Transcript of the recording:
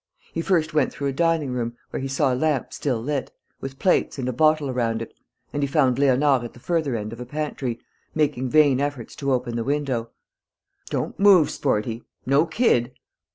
He first went through a dining room, where he saw a lamp still lit, with plates and a bottle around it, and he found Léonard at the further end of a pantry, making vain efforts to open the window: "Don't move, sportie! No kid!